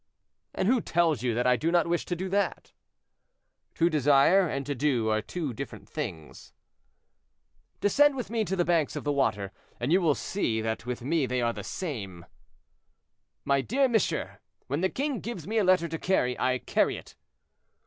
"And who tells you that I do not wish to do that?" "To desire and to do are two different things." "Descend with me to the banks of the water, and you will see that with me they are the same." "My dear monsieur, when the king gives me a letter to carry, I carry it."